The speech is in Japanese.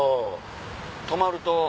止まると。